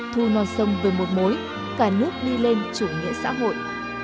thu non sông về một mối cả nước đi lên chủ nghĩa xã hội